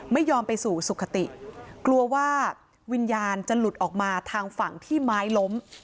ไม่ยอมไปสู่สุขติกลัวว่าวิญญาณจะหลุดออกมาทางฝั่งที่ไม้ล้ม